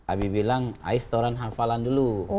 abi bilang ais toran hafalan dulu